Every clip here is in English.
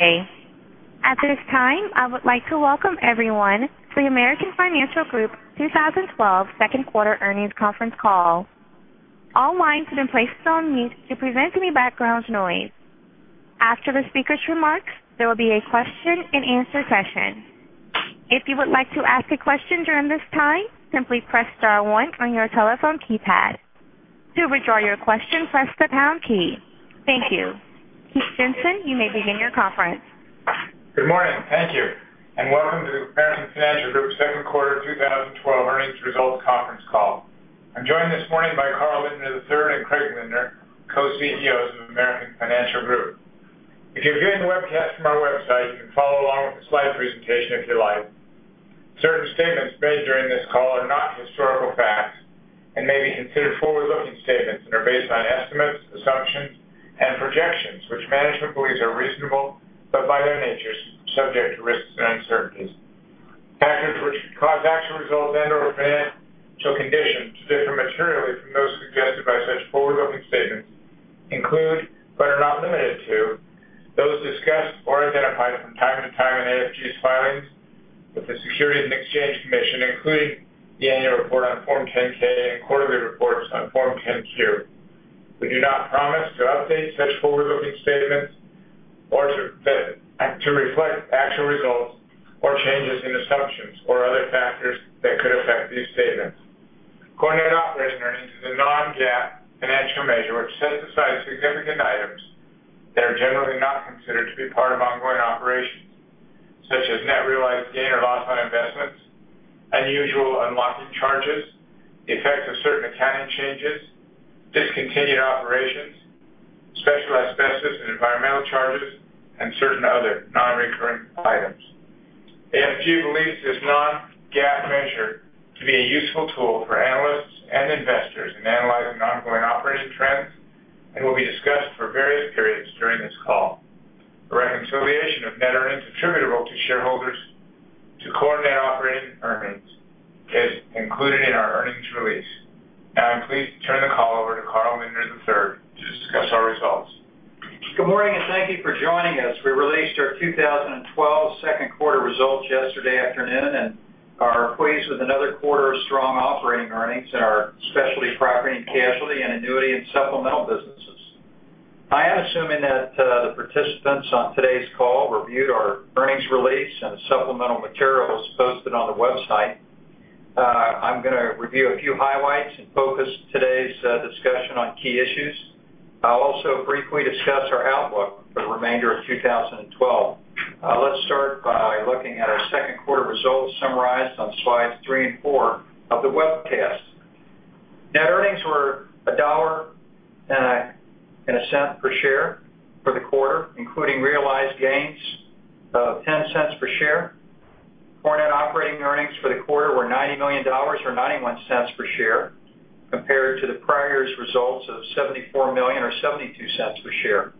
At this time, I would like to welcome everyone to the American Financial Group 2012 second quarter earnings conference call. All lines have been placed on mute to prevent any background noise. After the speaker's remarks, there will be a question and answer session. If you would like to ask a question during this time, simply press star one on your telephone keypad. To withdraw your question, press the pound key. Thank you. Keith Jensen, you may begin your conference. Good morning. Thank you. Welcome to the American Financial Group second quarter 2012 earnings results conference call. I'm joined this morning by Carl Lindner III and Craig Lindner, Co-CEOs of American Financial Group. If you're viewing the webcast from our website, you can follow along with the slide presentation if you like. Certain statements made during this call are not historical facts, may be considered forward-looking statements and are based on estimates, assumptions, and projections, which management believes are reasonable, but by their natures, subject to risks and uncertainties. Factors which could cause actual results and/or financial conditions to differ materially from those suggested by such forward-looking statements include, but are not limited to, those discussed or identified from time to time in AFG's filings with the Securities and Exchange Commission, including the annual report on Form 10-K and quarterly reports on Form 10-Q. We do not promise to update such forward-looking statements or to reflect actual results or changes in assumptions or other factors that could affect these statements. Core net operating earnings is a non-GAAP financial measure which sets aside significant items that are generally not considered to be part of ongoing operations, such as net realized gain or loss on investments, unusual unlocking charges, the effect of certain accounting changes, discontinued operations, special asbestos and environmental charges, and certain other non-recurring items. AFG believes this non-GAAP measure to be a useful tool for analysts and investors in analyzing ongoing operating trends and will be discussed for various periods during this call. A reconciliation of net earnings attributable to shareholders to core net operating earnings is included in our earnings release. I'm pleased to turn the call over to Carl Lindner III to discuss our results. Good morning. Thank you for joining us. We released our 2012 second quarter results yesterday afternoon and are pleased with another quarter of strong operating earnings in our specialty property and casualty and annuity and supplemental businesses. I am assuming that the participants on today's call reviewed our earnings release and supplemental materials posted on the website. I'm going to review a few highlights and focus today's discussion on key issues. I'll also briefly discuss our outlook for the remainder of 2012. Let's start by looking at our second quarter results summarized on slides three and four of the webcast. Net earnings were $1.01 per share for the quarter, including realized gains of $0.10 per share. Core net operating earnings for the quarter were $90 million or $0.91 per share compared to the prior year's results of $74 million or $0.72 per share.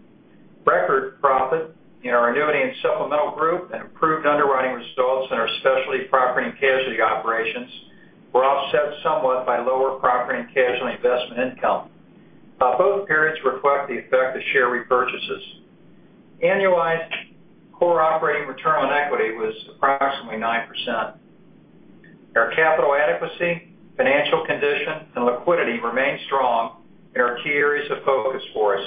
Record profit in our Annuity and Supplemental group and improved underwriting results in our Specialty Property and Casualty operations were offset somewhat by lower property and casualty investment income. Both periods reflect the effect of share repurchases. Annualized core operating return on equity was approximately 9%. Our capital adequacy, financial condition, and liquidity remain strong and are key areas of focus for us.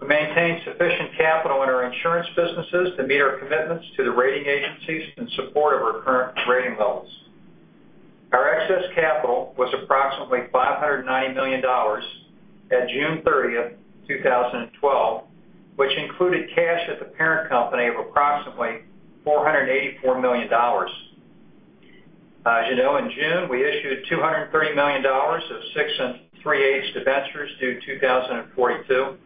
We maintain sufficient capital in our insurance businesses to meet our commitments to the rating agencies in support of our current rating levels. Our excess capital was approximately $590 million at June 30th, 2012, which included cash at the parent company of approximately $484 million. As you know, in June, we issued $230 million of 6.375% debentures due 2042.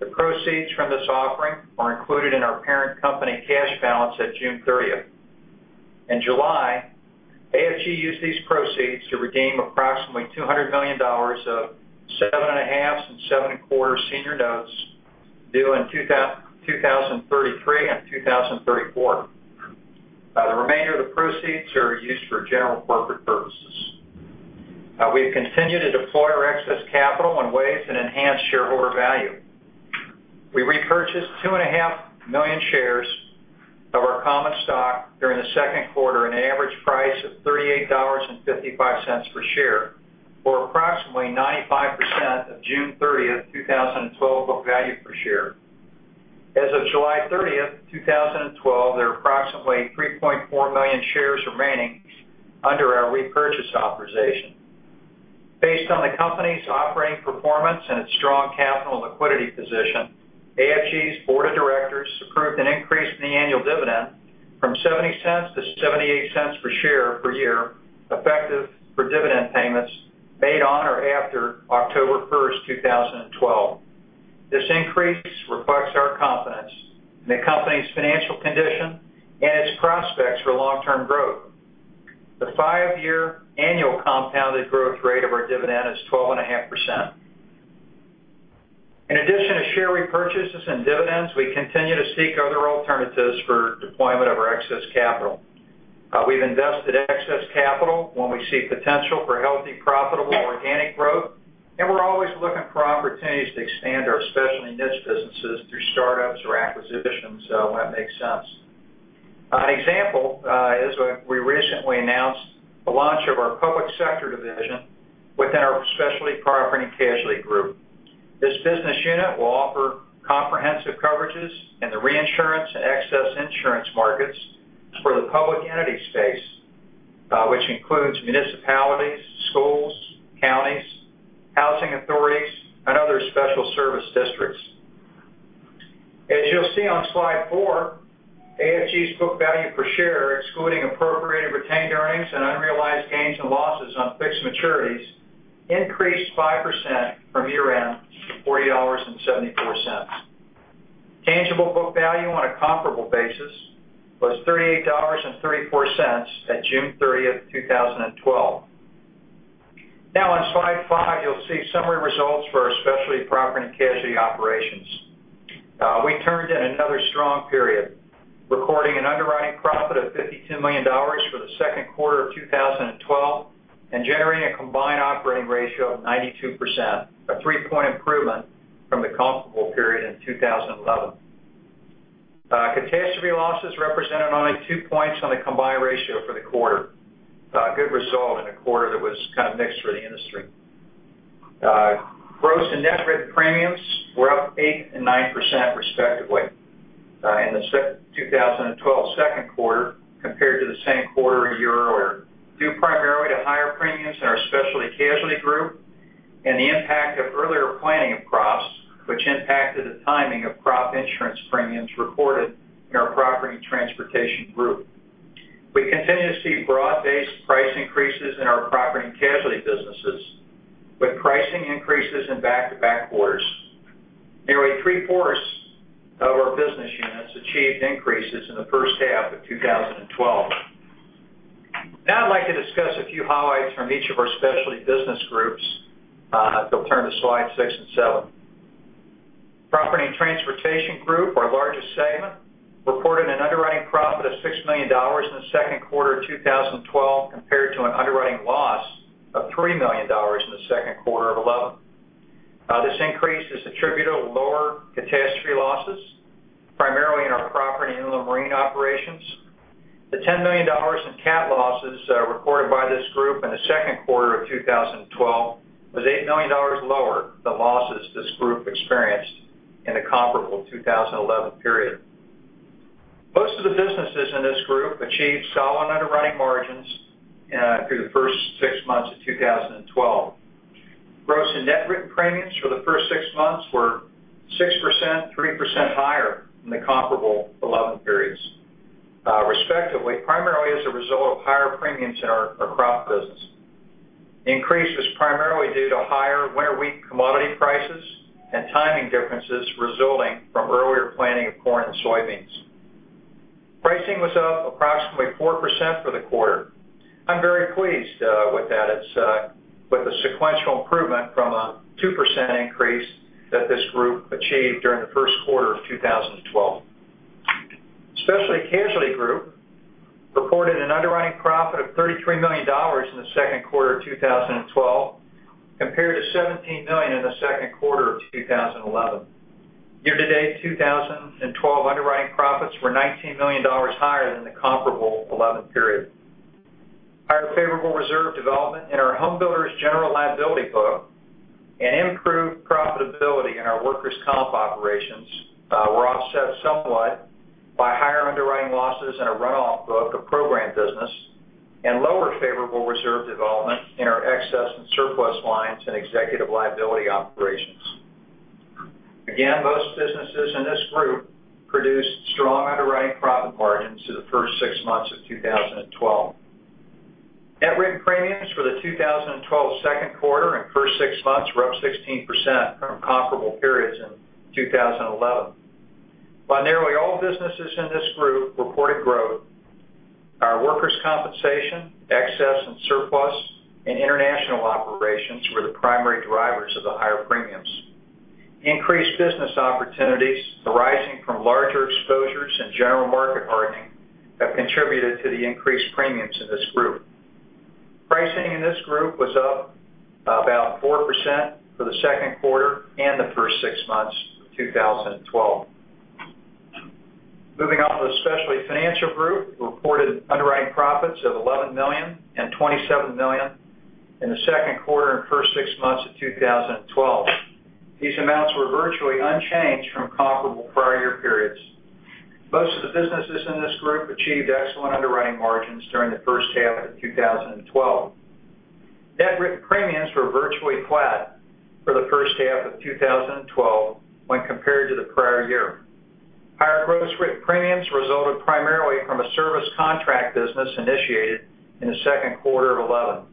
The proceeds from this offering are included in our parent company cash balance at June 30th. In July, AFG used these proceeds to redeem approximately $200 million of 7.5% and 7.25% senior notes due in 2033 and 2034. The remainder of the proceeds are used for general corporate purposes. We've continued to deploy our excess capital in ways that enhance shareholder value. We repurchased 2.5 million shares of our common stock during the second quarter at an average price of $38.55 per share, or approximately 95% of June 30th, 2012, book value per share. As of July 30th, 2012, there are approximately 3.4 million shares remaining under our repurchase authorization. Based on the company's operating performance and its strong capital and liquidity position, AFG's board of directors approved an increase in the annual dividend from $0.70-$0.78 per share per year, effective for dividend payments made on or after October 1st, 2012. This increase reflects our confidence in the company's financial condition and its prospects for long-term growth. The five-year annual compounded growth rate of our dividend is 12.5%. In addition to share repurchases and dividends, we continue to seek other alternatives for deployment of our excess capital. We've invested excess capital when we see potential for healthy, profitable, organic growth, and we're always looking for opportunities to expand our specialty niche businesses through startups or acquisitions when it makes sense. An example is we recently announced the launch of our Public Sector Division within our Specialty Property and Casualty group. This business unit will offer comprehensive coverages in the reinsurance and excess insurance markets for the public entity space, which includes municipalities, schools, counties, housing authorities, and other special service districts. As you'll see on slide four, AFG's book value per share, excluding appropriate retained earnings and unrealized gains and losses on fixed maturities, increased 5% from year-end to $40.74. Tangible book value on a comparable basis was $38.34 at June 30th, 2012. Now on slide five, you'll see summary results for our Specialty Property and Casualty operations. We turned in another strong period, recording an underwriting profit of $52 million for the second quarter of 2012 and generating a combined operating ratio of 92%, a three-point improvement from the comparable period in 2011. Catastrophe losses represented only two points on the combined ratio for the quarter. A good result in a quarter that was kind of mixed for the industry. Gross and net written premiums were up 8% and 9% respectively, in the 2012 second quarter compared to the same quarter a year earlier, due primarily to higher premiums in our Specialty Casualty Group and the impact of earlier planning of crops, which impacted the timing of crop insurance premiums reported in our Property and Transportation Group. We continue to see broad-based price increases in our property and casualty businesses with pricing increases in back-to-back quarters. Nearly three-fourths of our business units achieved increases in the first half of 2012. Now I'd like to discuss a few highlights from each of our specialty business groups. If you'll turn to slide six and seven. Property and Transportation Group, our largest segment, reported an underwriting profit of $6 million in the second quarter of 2012 compared to an underwriting loss of $3 million in the second quarter of 2011. This increase is attributable to lower catastrophe losses, primarily in our property and inland marine operations. The $10 million in cat losses recorded by this group in the second quarter of 2012 was $8 million lower than losses this group experienced in the comparable 2011 period. Most of the businesses in this group achieved solid underwriting margins through the first six months of 2012. Gross and net written premiums for the first six months were 6%, 3% higher than the comparable 2011 periods, respectively, primarily as a result of higher premiums in our crop business. The increase was primarily due to higher winter wheat commodity prices and timing differences resulting from earlier planting of corn and soybeans. Pricing was up approximately 4% for the quarter. I'm very pleased with that. It's with a sequential improvement from a 2% increase that this group achieved during the first quarter of 2012. Specialty Casualty Group reported an underwriting profit of $33 million in the second quarter of 2012, compared to $17 million in the second quarter of 2011. Year-to-date 2012 underwriting profits were $19 million higher than the comparable 2011 period. Our favorable reserve development in our home builder's general liability book and improved profitability in our workers' comp operations were offset somewhat by higher underwriting losses in a runoff book of program business and lower favorable reserve development in our excess and surplus lines and executive liability operations. Again, most businesses in this group produced strong underwriting profit margins through the first six months of 2012. Net written premiums for the 2012 second quarter and first six months were up 16% from comparable periods in 2011. While nearly all businesses in this group reported growth, our workers' compensation, excess and surplus, and international operations were the primary drivers of the higher premiums. Increased business opportunities arising from larger exposures and general market hardening have contributed to the increased premiums in this group. Pricing in this group was up about 4% for the second quarter and the first six months of 2012. Moving on to the Specialty Financial Group, who reported underwriting profits of $11 million and $27 million in the second quarter and first six months of 2012. These amounts were virtually unchanged from comparable prior year periods. Most of the businesses in this group achieved excellent underwriting margins during the first half of 2012. Net written premiums were virtually flat for the first half of 2012 when compared to the prior year. Higher gross written premiums resulted primarily from a service contract business initiated in the second quarter of 2011.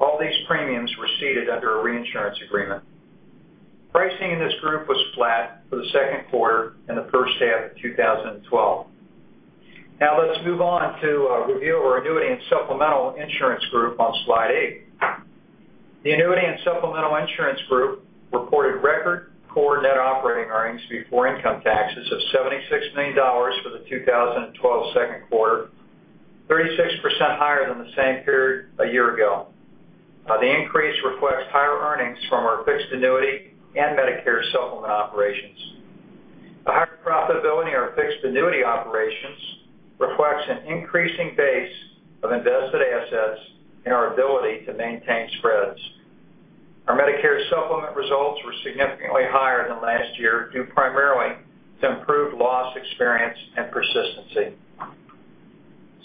All these premiums were ceded under a reinsurance agreement. Pricing in this group was flat for the second quarter and the first half of 2012. Let's move on to a review of our Annuity and Supplemental Insurance group on slide eight. The Annuity and Supplemental Insurance group reported record core net operating earnings before income taxes of $76 million for the 2012 second quarter, 36% higher than the same period a year ago. The increase reflects higher earnings from our fixed annuity and Medicare Supplement operations. The higher profitability on our fixed annuity operations reflects an increasing base of invested assets and our ability to maintain spreads. Our Medicare Supplement results were significantly higher than last year, due primarily to improved loss experience and persistency.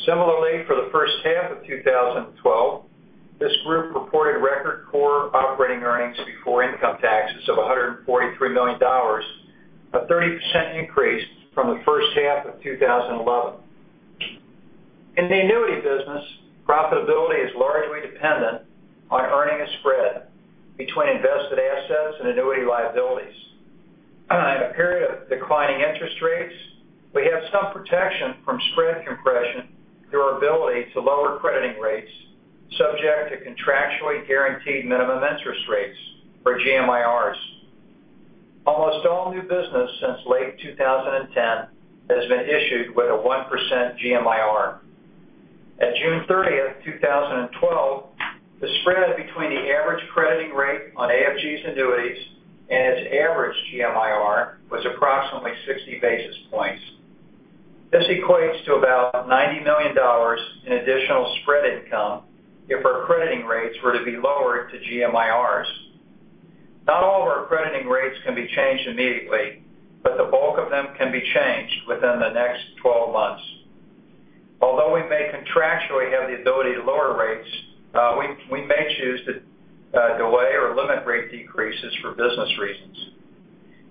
Similarly, for the first half of 2012, this group reported record core operating earnings before income taxes of $143 million, a 30% increase from the first half of 2011. In the annuity business, profitability is largely dependent on earning a spread between invested assets and annuity liabilities. In a period of declining interest rates, we have some protection from spread compression through our ability to lower crediting rates subject to contractually guaranteed minimum interest rates, or GMIRs. Almost all new business since late 2010 has been issued with a 1% GMIR. At June 30th, 2012, the spread between the average crediting rate on AFG's annuities and its average GMIR was approximately 60 basis points. This equates to about $90 million in additional spread income if our crediting rates were to be lowered to GMIRs. Not all of our crediting rates can be changed immediately, but the bulk of them can be changed within the next 12 months. Although we may contractually have the ability to lower rates, we may choose to delay or limit rate decreases for business reasons.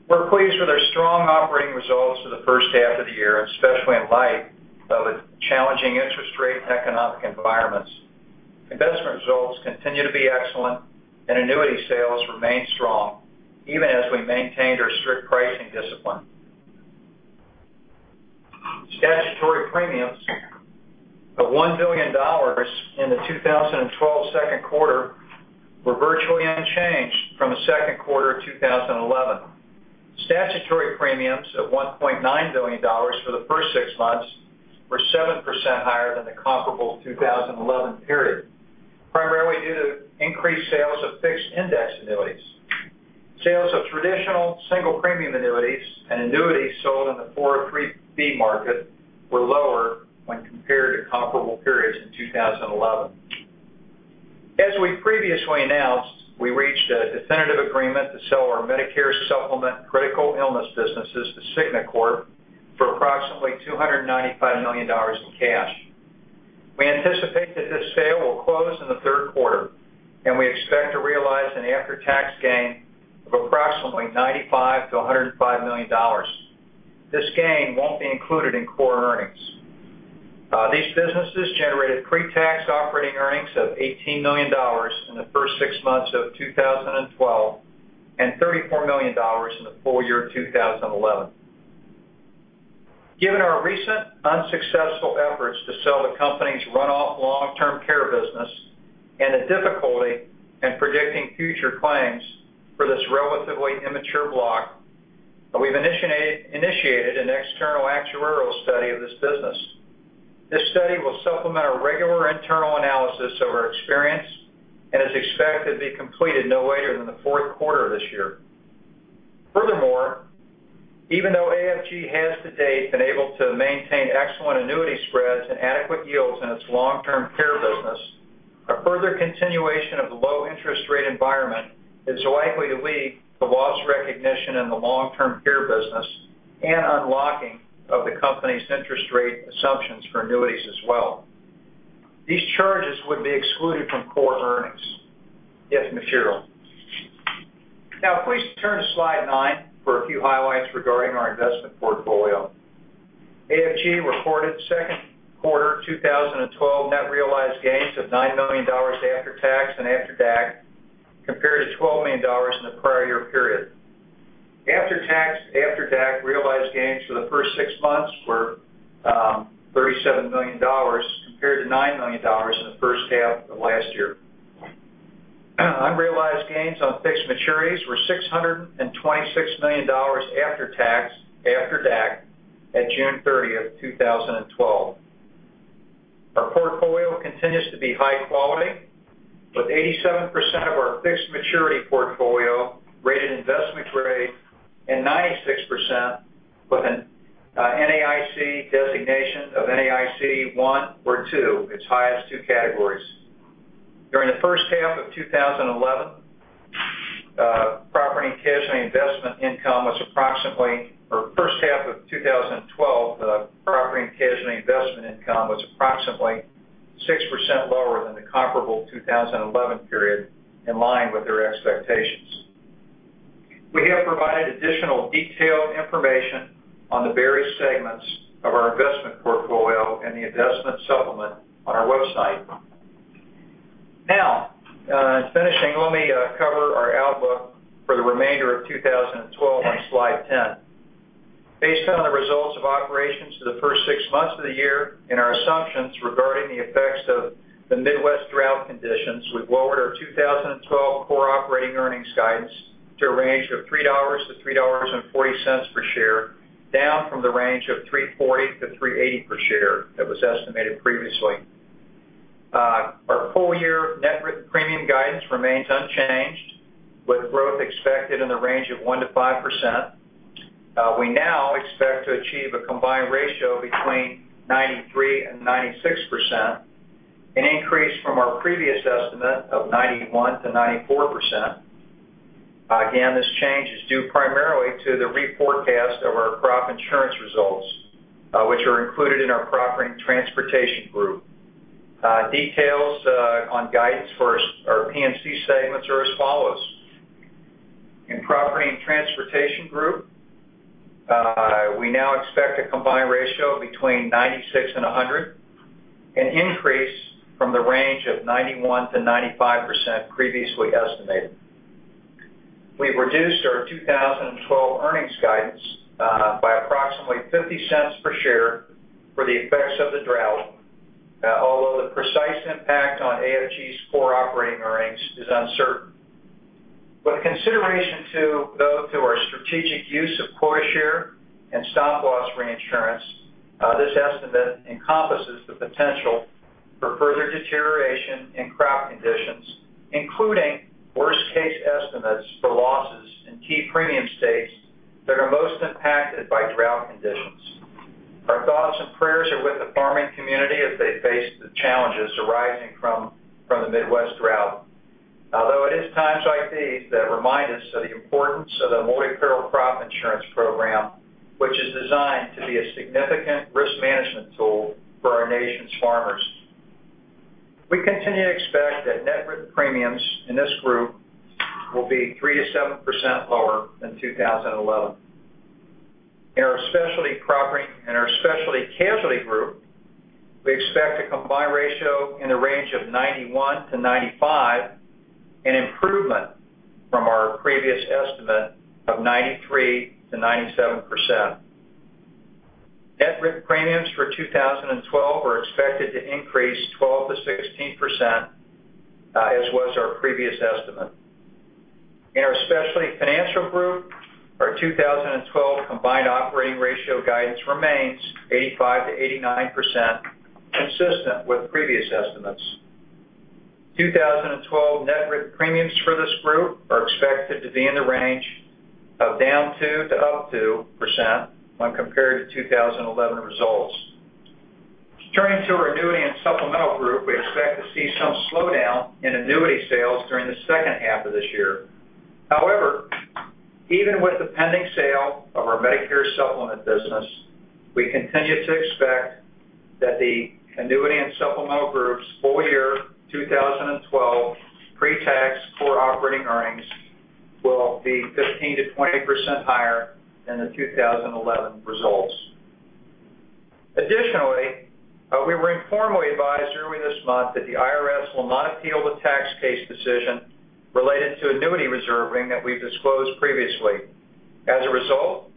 We're pleased with our strong operating results for the first half of the year, especially in light of challenging interest rate and economic environments. Investment results continue to be excellent and annuity sales remain strong, even as we maintained our strict pricing discipline. Statutory premiums of $1 billion in the 2012 second quarter were virtually unchanged from the second quarter of 2011. Statutory premiums of $1.9 billion for the first six months were 7% higher than the comparable 2011 period, primarily due to increased sales of fixed index annuities. Sales of traditional single premium annuities and annuities sold in the 403 market were lower when compared to comparable periods in 2011. As we previously announced, we reached a definitive agreement to sell our Medicare Supplement critical illness businesses to Cigna Corp. for approximately $295 million in cash. We anticipate that this sale will close in the third quarter, and we expect to realize an after-tax gain of approximately $95 million-$105 million. This gain won't be included in core earnings. These businesses generated pre-tax operating earnings of $18 million in the first six months of 2012 and $34 million in the full year 2011. Given our recent unsuccessful efforts to sell the company's run-off long-term care business and the difficulty in predicting future claims for this relatively immature block, we've initiated an external actuarial study of this business. This study will supplement our regular internal analysis of our experience and is expected to be completed no later than the fourth quarter of this year. Furthermore, even though AFG has to date been able to maintain excellent annuity spreads and adequate yields in its long-term care business, a further continuation of the low interest rate environment is likely to lead to loss recognition in the long-term care business and unlocking of the company's interest rate assumptions for annuities as well. These charges would be excluded from core earnings if material. Please turn to slide nine for a few highlights regarding our investment portfolio. AFG reported second quarter 2012 net realized gains of $9 million after tax and after DAC, compared to $12 million in the prior year period. After-tax, after-DAC realized gains for the first six months were $37 million, compared to $9 million in the first half of last year. Unrealized gains on fixed maturities were $626 million after tax, after DAC at June 30th, 2012. Our portfolio continues to be high quality, with 87% of our fixed maturity portfolio rated investment grade and 96% with an NAIC designation of NAIC I or II, its highest two categories. During the first half of 2012, property and casualty investment income was approximately 6% lower than the comparable 2011 period, in line with our expectations. We have provided additional detailed information on the various segments of our investment portfolio in the investment supplement on our website. In finishing, let me cover our outlook. 2012 on slide 10. Based on the results of operations for the first six months of the year and our assumptions regarding the effects of the Midwest drought conditions, we've lowered our 2012 core operating earnings guidance to a range of $3-$3.40 per share, down from the range of $3.40-$3.80 per share that was estimated previously. Our full-year net written premium guidance remains unchanged, with growth expected in the range of 1%-5%. We now expect to achieve a combined ratio between 93% and 96%, an increase from our previous estimate of 91%-94%. This change is due primarily to the reforecast of our crop insurance results, which are included in our Property and Transportation Group. Details on guidance for our P&C segments are as follows. In Property and Transportation Group, we now expect a combined ratio between 96% and 100%, an increase from the range of 91%-95% previously estimated. We've reduced our 2012 earnings guidance by approximately $0.50 per share for the effects of the drought, although the precise impact on AFG's core operating earnings is uncertain. With consideration to both our strategic use of quota share and stop loss reinsurance, this estimate encompasses the potential for further deterioration in crop conditions, including worst case estimates for losses in key premium states that are most impacted by drought conditions. Our thoughts and prayers are with the farming community as they face the challenges arising from the Midwest drought. Although it is times like these that remind us of the importance of the Multi-Peril Crop Insurance Program, which is designed to be a significant risk management tool for our nation's farmers. We continue to expect that net written premiums in this group will be 3%-7% lower than 2011. In our Specialty Casualty Group, we expect a combined ratio in the range of 91%-95%, an improvement from our previous estimate of 93%-97%. Net written premiums for 2012 are expected to increase 12%-16%, as was our previous estimate. In our Specialty Financial Group, our 2012 combined operating ratio guidance remains 85%-89%, consistent with previous estimates. 2012 net written premiums for this group are expected to be in the range of -2% to +2% when compared to 2011 results. Turning to our Annuity and Supplemental Group, we expect to see some slowdown in annuity sales during the second half of this year. However, even with the pending sale of our Medicare Supplement business, we continue to expect that the Annuity and Supplemental Group's full-year 2012 pre-tax core operating earnings will be 15%-20% higher than the 2011 results. Additionally, we were informally advised early this month that the IRS will not appeal the tax case decision related to annuity reserving that we disclosed previously. As a result,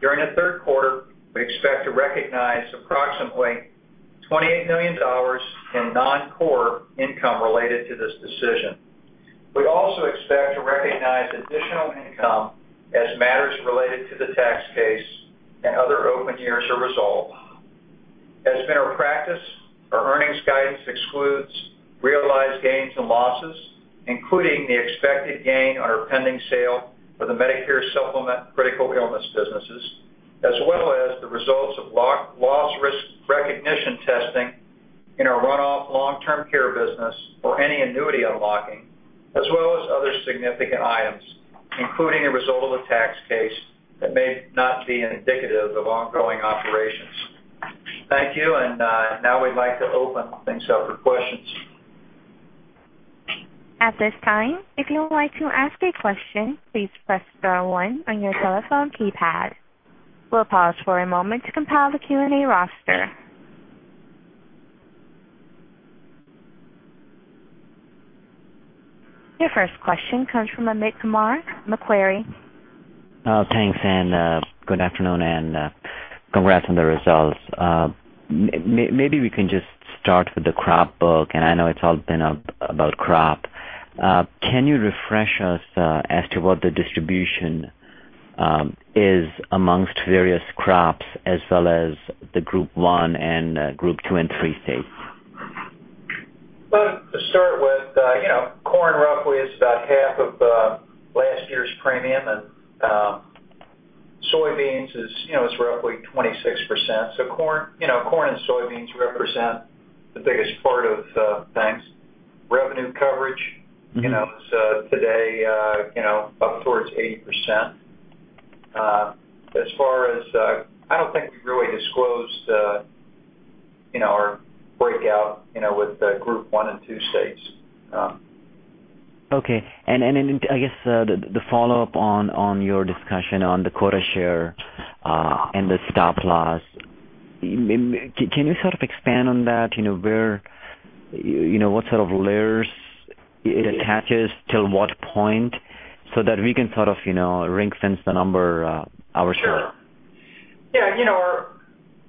during the third quarter, we expect to recognize approximately $28 million in non-core income related to this decision. We also expect to recognize additional income as matters related to the tax case and other open years are resolved. As has been our practice, our earnings guidance excludes realized gains and losses, including the expected gain on our pending sale for the Medicare Supplement Critical Illness businesses, as well as the results of loss risk recognition testing in our runoff long-term care business for any annuity unlocking, as well as other significant items, including a result of a tax case that may not be indicative of ongoing operations. Thank you. Now we'd like to open things up for questions. At this time, if you would like to ask a question, please press star one on your telephone keypad. We'll pause for a moment to compile the Q&A roster. Your first question comes from Amit Kumar, Macquarie. Thanks, good afternoon, and congrats on the results. Maybe we can just start with the crop book, and I know it's all been about crop. Can you refresh us as to what the distribution is amongst various crops as well as the Group One and Group Two and Group Three states? Well, to start with, corn roughly is about half of last year's premium, and soybeans is roughly 26%. Corn and soybeans represent the biggest part of. Thanks revenue coverage is today up towards 80%. I don't think we really disclosed our breakout with Group One and Group Two states. Okay. Then I guess the follow-up on your discussion on the quota share and the stop loss. Can you expand on that? What sort of layers it attaches, till what point, so that we can ring-fence the number ourselves? Sure.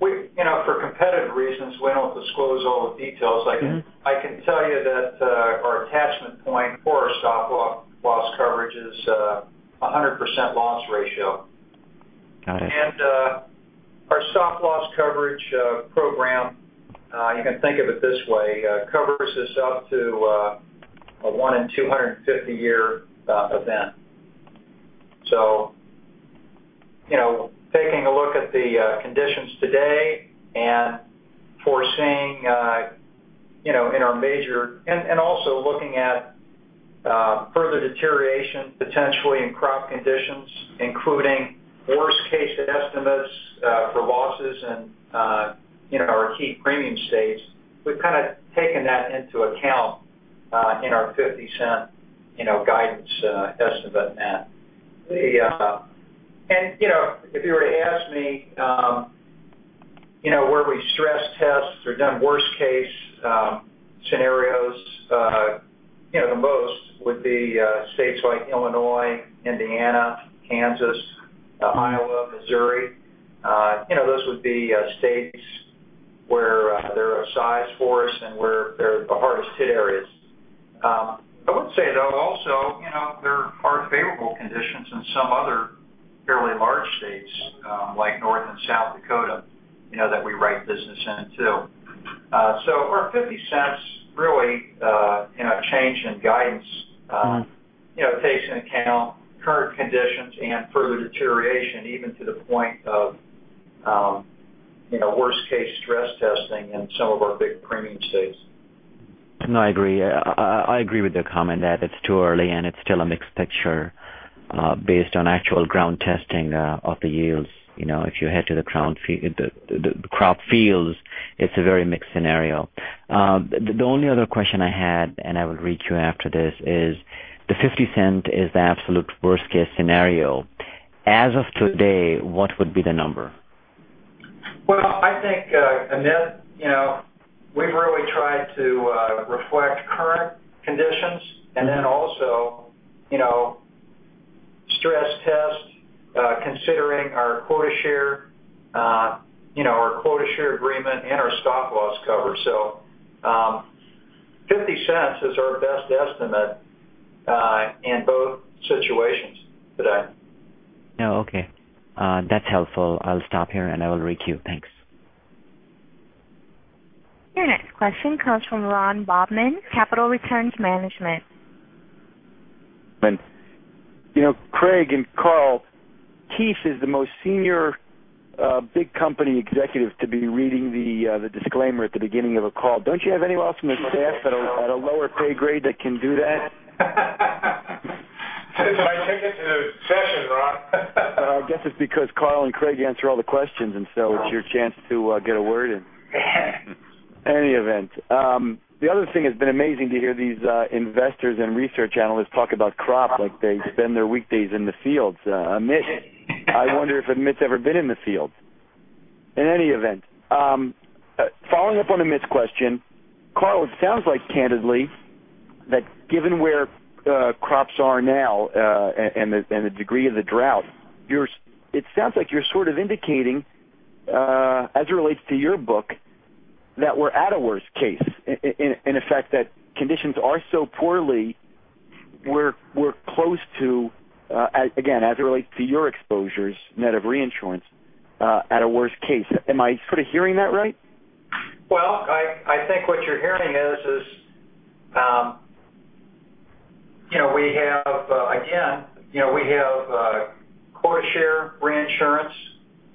For competitive reasons, we don't disclose all the details. I can tell you that our attachment point for our stop loss coverage is 100% loss ratio. Got it. Our stop loss coverage program, you can think of it this way, covers us up to a one in 250 year event. Taking a look at the conditions today and foreseeing in our major, and also looking at further deterioration, potentially in crop conditions, including worst case estimates for losses in our key premium states, we've taken that into account in our $0.50 guidance estimate net. If you were to ask me where we stress test or done worst case scenarios, the most would be states like Illinois, Indiana, Kansas, Iowa, Missouri. Those would be states where they're a size force and where they're the hardest hit areas. I would say, though, also there are favorable conditions in some other fairly large states, like North and South Dakota, that we write business in too. Our $0.50 really, change in guidance- takes into account current conditions and further deterioration even to the point of worst case stress testing in some of our big premium states. No, I agree. I agree with your comment that it's too early, and it's still a mixed picture based on actual ground testing of the yields. If you head to the crop fields, it's a very mixed scenario. The only other question I had, and I will reach you after this, is the $0.50 is the absolute worst case scenario. As of today, what would be the number? Well, I think, Amit, we've really tried to reflect current conditions, and then also stress test considering our quota share agreement and our stop loss cover. $0.50 is our best estimate in both situations today. Oh, okay. That's helpful. I'll stop here and I will reach you. Thanks. Your next question comes from Ron Bobman, Capital Returns Management. Craig and Carl, Keith is the most senior big company executive to be reading the disclaimer at the beginning of a call. Don't you have any awesome staff at a lower pay grade that can do that? My ticket to the session, Ron. I guess it's because Carl and Craig answer all the questions, and so it's your chance to get a word in. In any event, the other thing has been amazing to hear these investors and research analysts talk about crop like they spend their weekdays in the fields. Amit, I wonder if Amit's ever been in the field. In any event, following up on Amit's question, Carl, it sounds like candidly that given where crops are now, and the degree of the drought, it sounds like you're indicating, as it relates to your book, that we're at a worst case. In effect, that conditions are so poorly we're close to, again, as it relates to your exposures net of reinsurance, at a worst case. Am I hearing that right? Well, I think what you're hearing is we have quota share reinsurance,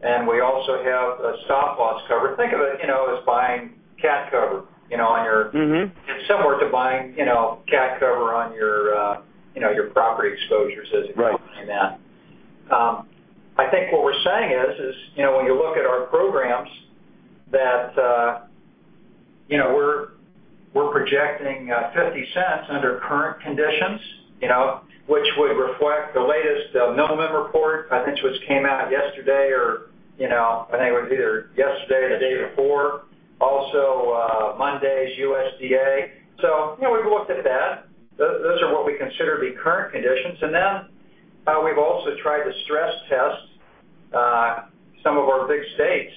and we also have a stop loss cover. Think of it as buying cat cover. It's similar to buying cat cover on your property exposures. Right a company now. I think what we're saying is when you look at our programs, that we're projecting $0.50 under current conditions, which would reflect the latest November report, I think which came out yesterday or, I think it was either yesterday or the day before. Also, Monday's USDA. We've looked at that. Those are what we consider to be current conditions. Then we've also tried to stress test some of our big states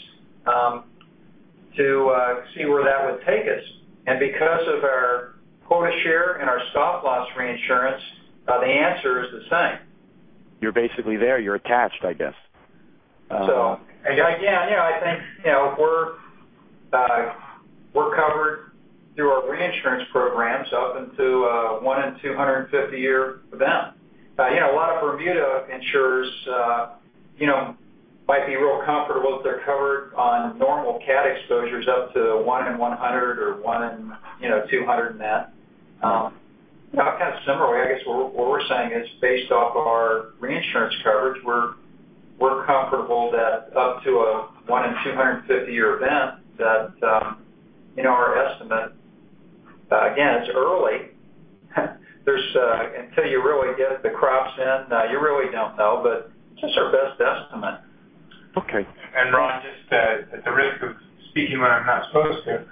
to see where that would take us. Because of our quota share and our stop loss reinsurance, the answer is the same. You're basically there, you're attached, I guess. Again, I think we're covered through our reinsurance programs up until a one in 250 year event. A lot of Bermuda insurers might be real comfortable if they're covered on normal cat exposures up to one in 100 or one in 200. Similarly, I guess what we're saying is based off of our reinsurance coverage, we're comfortable that up to a one in 250 year event that our estimate, again, it's early. Until you really get the crops in, you really don't know. It's just our best estimate. Okay. Ron, just at the risk of speaking when I'm not supposed to.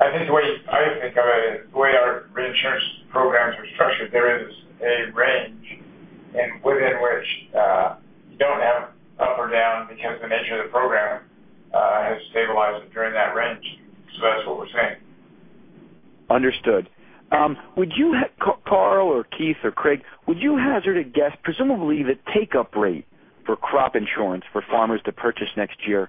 I think the way I think of it, the way our reinsurance programs are structured, there is a range within which you don't have up or down because the nature of the program has stabilized it during that range. That's what we're saying. Understood. Carl or Keith or Craig, would you hazard a guess, presumably, the take-up rate for crop insurance for farmers to purchase next year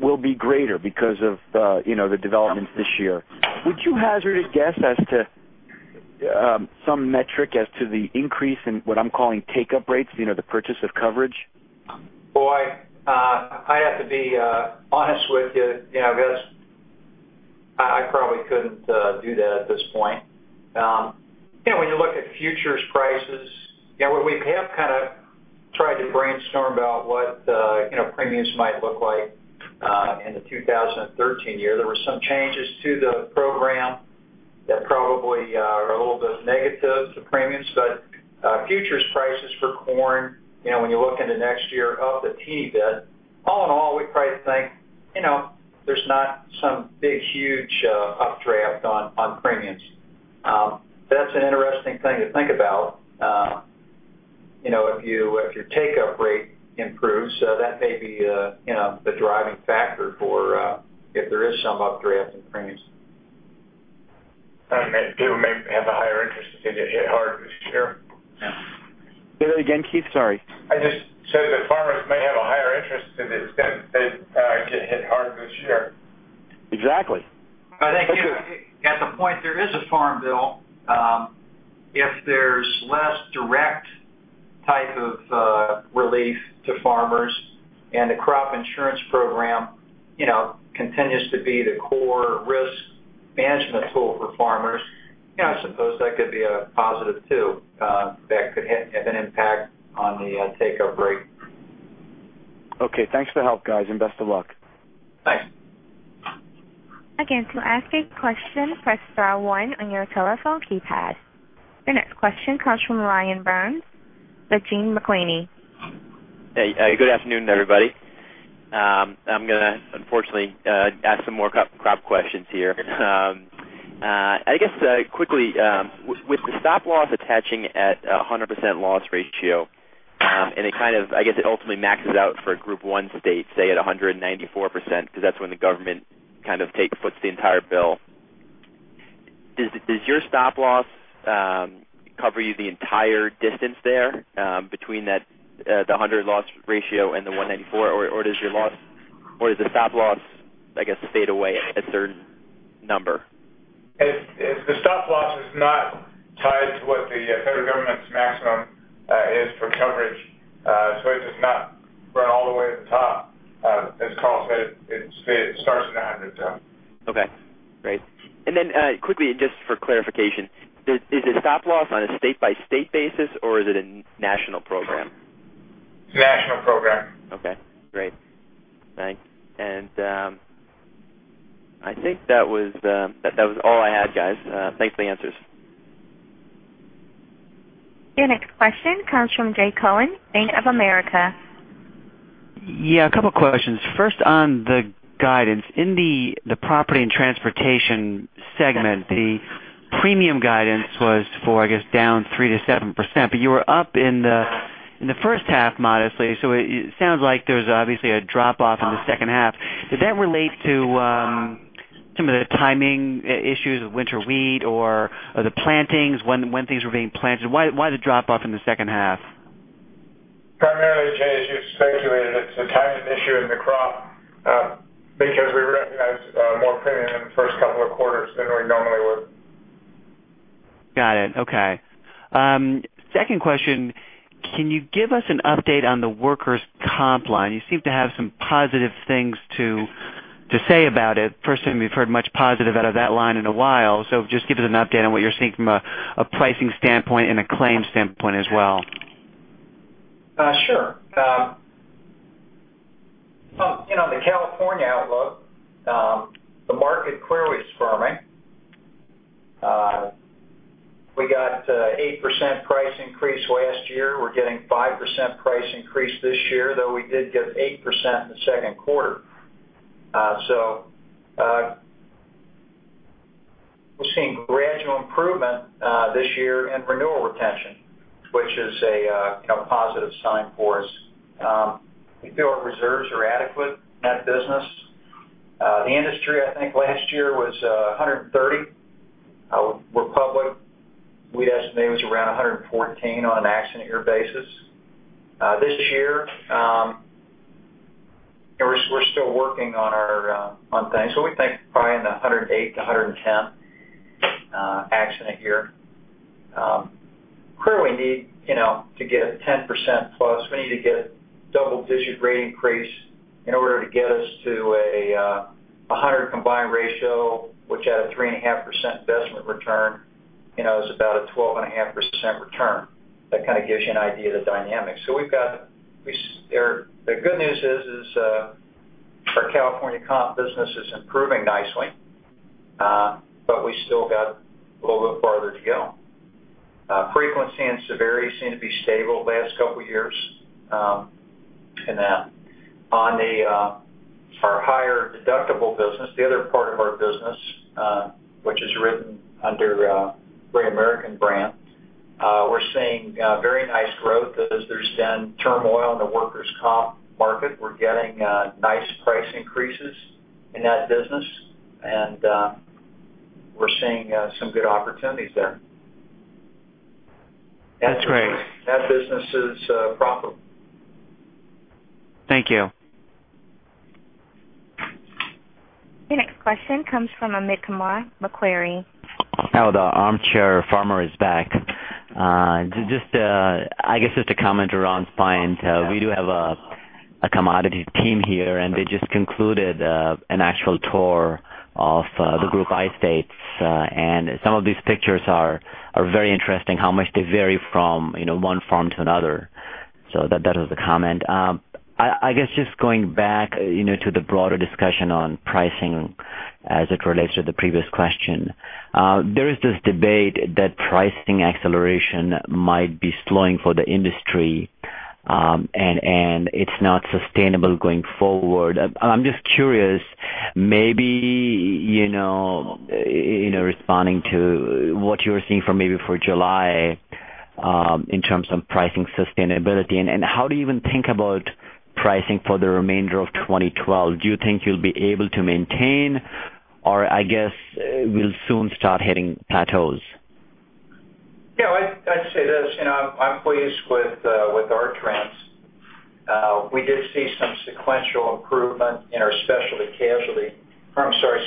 will be greater because of the developments this year. Would you hazard a guess as to some metric as to the increase in what I'm calling take-up rates, the purchase of coverage? Boy, I'd have to be honest with you. I probably couldn't do that at this point. When you look at futures prices, we have tried to brainstorm about what premiums might look like in the 2013 year. There were some changes to the program that probably are a little bit negative to premiums, but futures prices for corn, when you look into next year, up a teeny bit. All in all, we probably think there's not some big, huge updraft on premiums. That's an interesting thing to think about. If your take-up rate improves, that may be the driving factor if there is some updraft in premiums. People may have a higher interest if they get hit hard this year. Say that again, Keith. Sorry. I just said that farmers may have a higher interest if they get hit hard this year. Exactly. I think at the point there is a Farm Bill, if there's less direct type of relief to farmers and the crop insurance program continues to be the core risk management tool for farmers, I suppose that could be a positive, too, that could have an impact on the take-up rate. Okay. Thanks for the help, guys, and best of luck. Thanks. To ask a question, press star one on your telephone keypad. Your next question comes from Ryan Burns with Janney Montgomery Scott. Hey. Good afternoon, everybody. I'm going to, unfortunately, ask some more crop questions here. I guess, quickly with the stop loss attaching at 100% loss ratio, I guess it ultimately maxes out for Group I states, say, at 194%, because that's when the government foots the entire bill. Does your stop loss cover you the entire distance there between the 100 loss ratio and the 194, or does the stop loss stay away a certain number? The stop loss is not tied to what the federal government's maximum is for coverage. It does not run all the way to the top. As Carl said, it starts at 100. Okay, great. Quickly, just for clarification, is the stop loss on a state-by-state basis or is it a national program? It's a national program. Okay, great. Thanks. I think that was all I had, guys. Thanks for the answers. Your next question comes from Jay Cohen, Bank of America. Yeah, a couple of questions. First, on the guidance. In the Property and Transportation segment, the premium guidance was for, I guess, down 3%-7%, but you were up in the first half modestly. It sounds like there's obviously a drop-off in the second half. Did that relate to some of the timing issues of winter wheat or the plantings, when things were being planted? Why the drop-off in the second half? Primarily, Jay, as you speculated, it's a timing issue in the crop because we recognized more premium in the first couple of quarters than we normally would. Got it. Okay. Second question: Can you give us an update on the workers' comp line? You seem to have some positive things to say about it. First time we've heard much positive out of that line in a while. Just give us an update on what you're seeing from a pricing standpoint and a claim standpoint as well. Sure. The California outlook, the market clearly is firming. We got 8% price increase last year. We're getting 5% price increase this year, though we did get 8% in the second quarter. We're seeing gradual improvement this year in renewal retention, which is a positive sign for us. We feel our reserves are adequate in that business. The industry, I think, last year was 130%. We're public. We'd estimate it was around 114% on an accident year basis. This year, we're still working on things. We think probably in the 108%-110% accident year. Clearly need to get 10%+. We need to get double-digit rate increase in order to get us to 100% combined ratio, which at a 3.5% investment return is about a 12.5% return. That kind of gives you an idea of the dynamics. The good news is Our California comp business is improving nicely, but we still got a little bit farther to go. Frequency and severity seem to be stable the last couple of years in that. On our higher deductible business, the other part of our business, which is written under Great American brand, we're seeing very nice growth as there's been turmoil in the workers' comp market. We're getting nice price increases in that business, and we're seeing some good opportunities there. That's great. That business is profitable. Thank you. Your next question comes from Amit Kumar, Macquarie. Oh, the armchair farmer is back. Just I guess just to comment around spine, we do have a commodity team here, and they just concluded an actual tour of the Group I states. Some of these pictures are very interesting, how much they vary from one farm to another. That was the comment. I guess just going back to the broader discussion on pricing as it relates to the previous question. There is this debate that pricing acceleration might be slowing for the industry, and it's not sustainable going forward. I'm just curious, maybe responding to what you're seeing for maybe for July in terms of pricing sustainability, and how do you even think about pricing for the remainder of 2012? Do you think you'll be able to maintain or I guess will soon start hitting plateaus? Yeah, I'd say this. I'm pleased with our trends. We did see some sequential improvement in our Specialty Casualty, I'm sorry,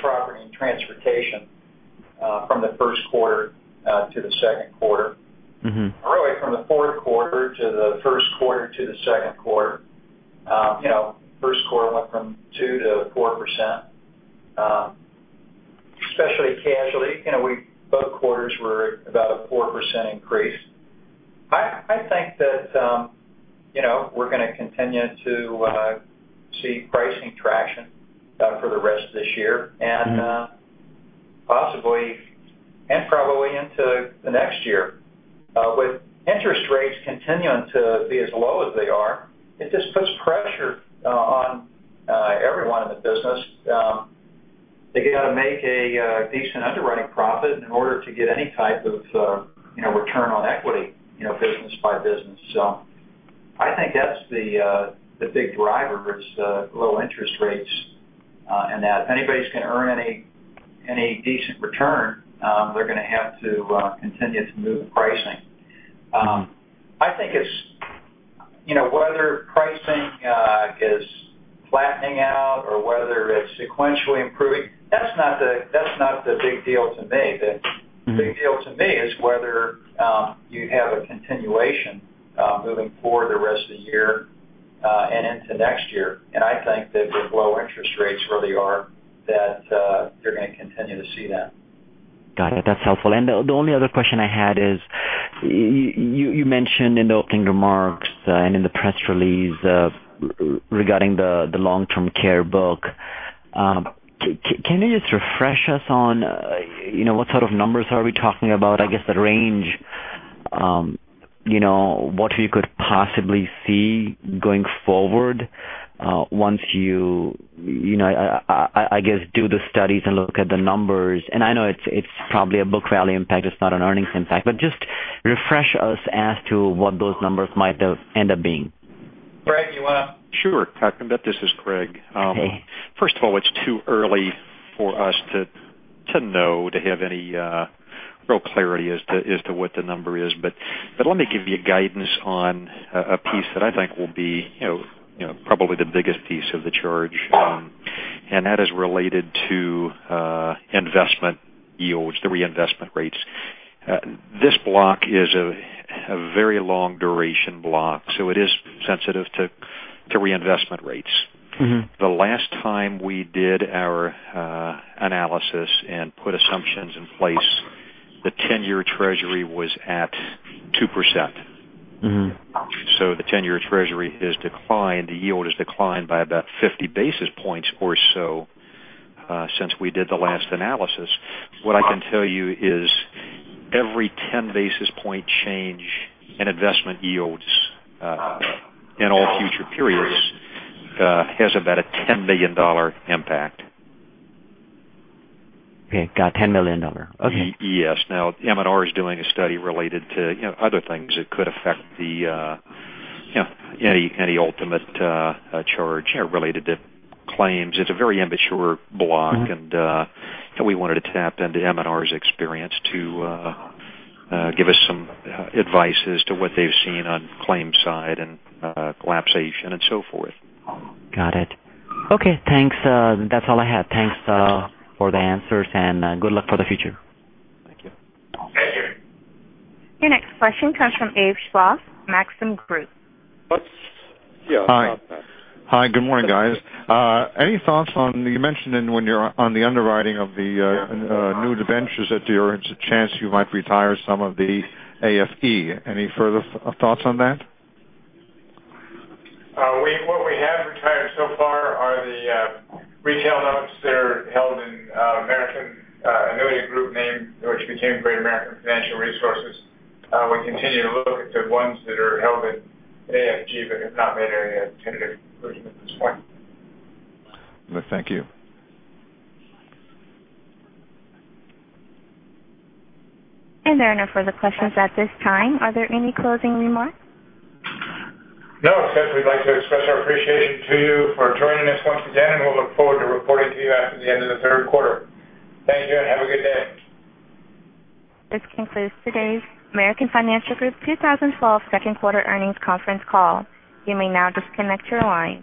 Property and Transportation from the first quarter to the second quarter. Really from the fourth quarter to the first quarter to the second quarter. First quarter went from 2%-4%. Specialty Casualty, both quarters were about a 4% increase. I think that we're going to continue to see pricing traction for the rest of this year and possibly and probably into the next year. With interest rates continuing to be as low as they are, it just puts pressure on everyone in the business. They got to make a decent underwriting profit in order to get any type of return on equity business by business. I think that's the big driver is the low interest rates and that if anybody's going to earn any decent return, they're going to have to continue to move the pricing. I think whether pricing is flattening out or whether it's sequentially improving, that's not the big deal to me. The big deal to me is whether you have a continuation moving forward the rest of the year and into next year. I think that with low interest rates where they are, that you're going to continue to see that. Got it. That's helpful. The only other question I had is you mentioned in the opening remarks and in the press release regarding the long-term care book. Can you just refresh us on what sort of numbers are we talking about? I guess the range, what you could possibly see going forward once you, I guess, do the studies and look at the numbers. I know it's probably a book value impact. It's not an earnings impact, but just refresh us as to what those numbers might end up being. Greg, you want to? Sure. Kakamba, this is Greg. Hey. First of all, it's too early for us to know, to have any real clarity as to what the number is. Let me give you guidance on a piece that I think will be probably the biggest piece of the charge, that is related to investment yields, the reinvestment rates. This block is a very long duration block, it is sensitive to reinvestment rates. The last time we did our analysis and put assumptions in place, the 10-year treasury was at 2%. The 10-year treasury has declined, the yield has declined by about 50 basis points or so since we did the last analysis. What I can tell you is every 10 basis point change in investment yields in all future periods has about a $10 million impact. Okay. Got $10 million. Okay. Yes. Now, M&R is doing a study related to other things that could affect any ultimate charge related to claims. It's a very immature block, and we wanted to tap into M&R's experience to give us some advice as to what they've seen on claim side and collapsation and so forth. Got it. Okay, thanks. That's all I have. Thanks for the answers. Good luck for the future. Thank you. Thank you. Your next question comes from Abe Roth, Maxim Group. What? Yeah. Hi. Good morning, guys. Any thoughts on, you mentioned when you're on the underwriting of the new debentures that there is a chance you might retire some of the AFE. Any further thoughts on that? What we have retired so far are the retail notes. They're held in American Annuity Group name, which became Great American Financial Resources. We continue to look at the ones that are held in AFG but have not made any tentative conclusion at this point. Thank you. There are no further questions at this time. Are there any closing remarks? No. Except we'd like to express our appreciation to you for joining us once again, and we'll look forward to reporting to you after the end of the third quarter. Thank you, and have a good day. This concludes today's American Financial Group 2012 second quarter earnings conference call. You may now disconnect your line.